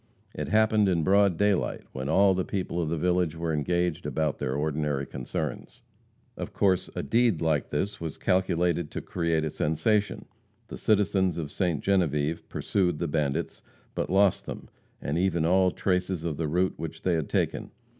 It happened in broad daylight, when all the people of the village were engaged about their ordinary concerns. Of course a deed like this was calculated to create a sensation. The citizens of Ste. Genevieve pursued the bandits, but lost them, and even all traces of the route which they had taken.